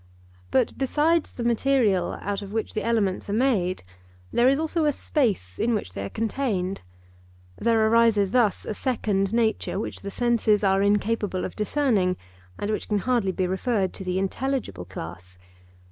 But besides the material out of which the elements are made, there is also a space in which they are contained. There arises thus a second nature which the senses are incapable of discerning and which can hardly be referred to the intelligible class.